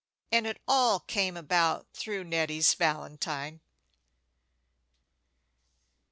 And it all came about through Nettie's valentine.